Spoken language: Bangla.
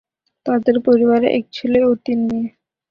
তাদের পরিবারে এক ছেলে ও তিনি মেয়ে।